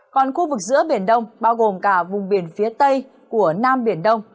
còn khu vực giữa biển đông bao gồm cả vùng biển phía tây của nam biển đông